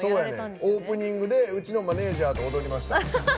オープニングでうちのマネージャーと一緒に踊りました。